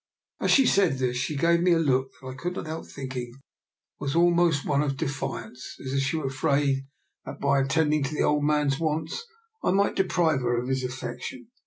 As she said this, she gave me a look that I could not help thinking was almost one of defiance, as if she were afraid that by attend ing to the old man's wants I might deprive her of his affection.